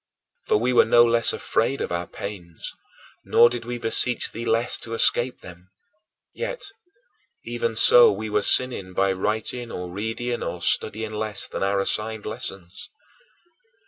For we were no less afraid of our pains, nor did we beseech thee less to escape them. Yet, even so, we were sinning by writing or reading or studying less than our assigned lessons.